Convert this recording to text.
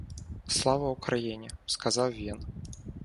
— Слава Україні! — сказав він.